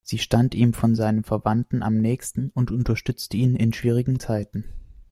Sie stand ihm von seinen Verwandten am nächsten und unterstützte ihn in schwierigen Zeiten.